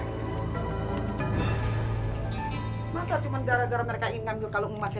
kalau cuma gara gara mereka ingin ngambil kalung emasnya